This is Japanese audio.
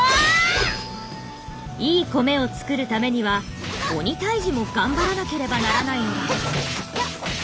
いい米を作るためには鬼退治も頑張らなければならないのだ。